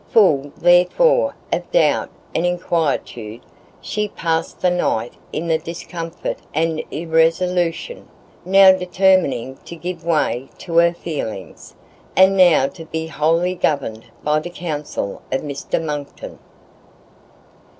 Full, therefore, of doubt and inquietude, she passed the night in discomfort and irresolution, now determining to give way to her feelings, and now to be wholly governed by the counsel of Mr Monckton.